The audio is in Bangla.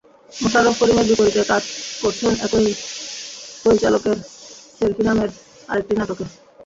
মোশাররফ করিমের বিপরীতে কাজ করছেন একই পরিচালকের সেলফি নামের আরেকটি নাটকে।